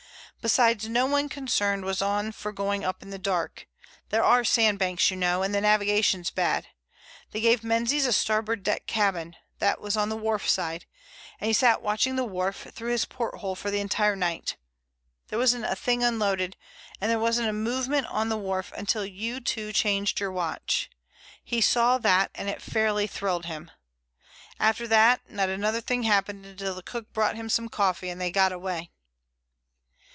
Besides, no one concerned was on for going up in the dark—there are sandbanks, you know, and the navigation's bad. They gave Menzies a starboard deck cabin—that was on the wharf side—and he sat watching the wharf through his porthole for the entire night. There wasn't a thing unloaded, and there wasn't a movement on the wharf until you two changed your watch. He saw that, and it fairly thrilled him. After that not another thing happened until the cook brought him some coffee and they got away."